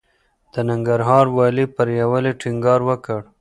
د ننګرهار والي پر يووالي ټينګار وکړ.